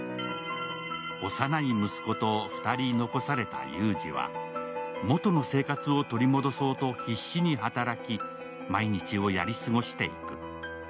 幼い息子と２人残された祐治は元の生活を取り戻そうと必死に働き、毎日をやり過ごしていく。